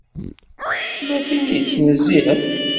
Tella tin i yettnezzihen.